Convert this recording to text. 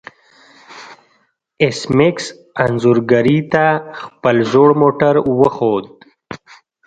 ایس میکس انځورګرې ته خپل زوړ موټر وښود